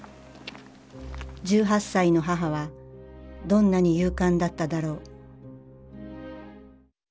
１８歳の母はどんなに勇敢だっただろう